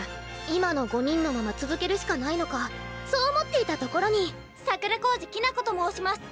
今の５人のまま続けるしかないのかそう思っていたところに桜小路きな子と申します。